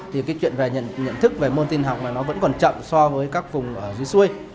thì cái chuyện về nhận thức về môn tin học này nó vẫn còn chậm so với các vùng ở dưới xuôi